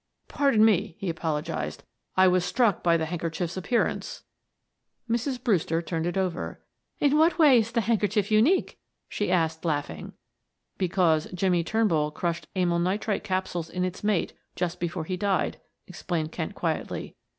"Pardon me," he apologized. "I was struck by the handkerchief's appearance." Mrs. Brewster turned it over. "In what way is the handkerchief unique?" she asked, laughing. "Because Jimmie Turnbull crushed amyl nitrite capsules in its mate just before he died," explained Kent quietly.